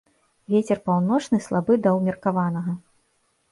Вецер паўночны слабы да ўмеркаванага.